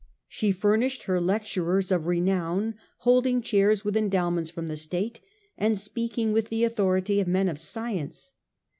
She furnished her lecturers of renown, holding chairs with endowments from the state, and speaking with the authority of men of science.